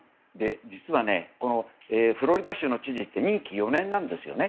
実は、フロリダ州の知事は任期４年なんですよね。